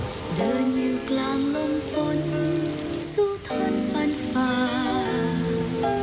เดินอยู่กลางลมฝนสู่ท่านปันฟ้า